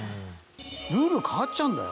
ルールが変わっちゃうんだよ